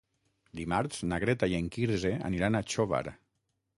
Dimarts na Greta i en Quirze aniran a Xóvar.